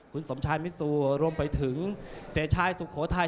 คุณสมชายมิซูรวมไปถึงเสียชายสุโขทัย